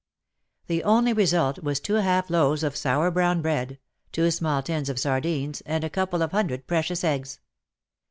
The only result was two half loaves of sour brown bread, two small tins of sardines, and a couple of hundred precious eggs.